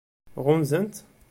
Ɣunzant-t?